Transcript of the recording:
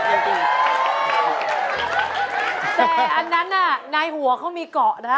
แต่อันนั้นน่ะในหัวเขามีเกาะนะฮะ